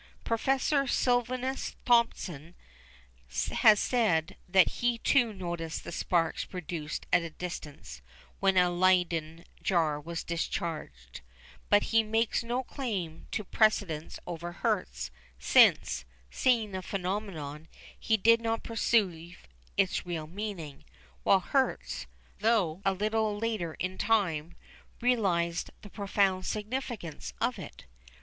Professor Silvanus Thomson has said that he too noticed the sparks produced at a distance when a Leyden jar was discharged, but he makes no claim to precedence over Hertz, since, seeing the phenomenon, he did not perceive its real meaning, while Hertz, though a little later in time, realised the profound significance of it.